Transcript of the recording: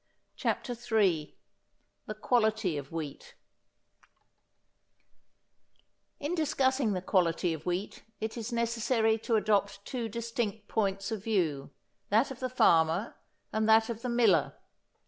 CHAPTER III THE QUALITY OF WHEAT In discussing the quality of wheat it is necessary to adopt two distinct points of view, that of the farmer and that of the miller.